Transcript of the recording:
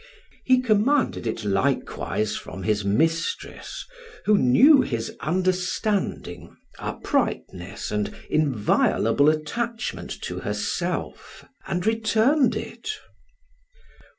He commanded it likewise from his mistress, who knew his understanding, uprightness, and inviolable attachment to herself, and returned it.